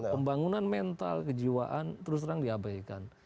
pembangunan mental kejiwaan terus terang diabaikan